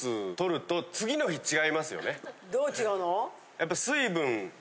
やっぱ。